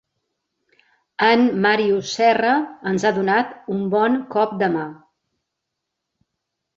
En Màrius Serra ens ha donat un bon cop de mà.